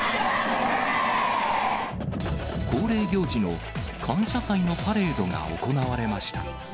恒例行事の感謝祭のパレードが行われました。